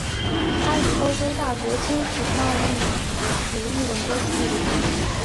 他通过与欧洲大国签署贸易协定巩固了自己的权力。